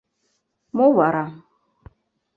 Мо вара...